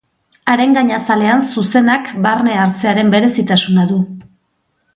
Haren gainazalean zuzenak barne hartzearen berezitasuna du.